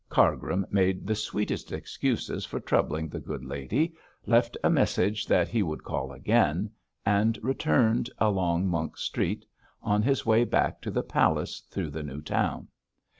Cargrim made the sweetest excuses for troubling the good lady, left a message that he would call again, and returned along Monk Street on his way back to the palace through the new town.